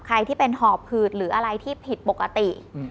ใครที่เป็นหอบหืดหรืออะไรที่ผิดปกติ